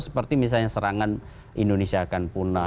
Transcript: seperti misalnya serangan indonesia akan punah